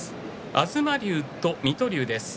東龍と水戸龍です。